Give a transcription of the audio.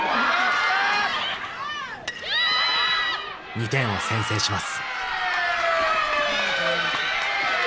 ２点を先制します。